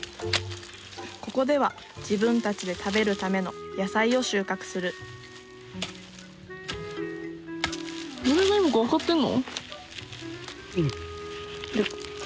ここでは自分たちで食べるための野菜を収穫するうん。